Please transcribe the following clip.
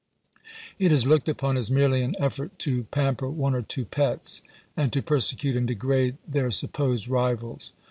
It is looked upon as merely an effort to pamper one or two pets and to persecute and degrade their supposed rivals.